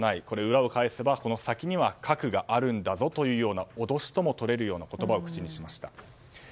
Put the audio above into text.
これ、裏を返せば、この先には核があるんだぞというような脅しともとれるような言葉を口にしました。